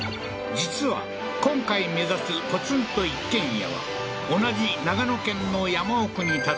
実は今回目指すポツンと一軒家は同じ長野県の山奥に建つ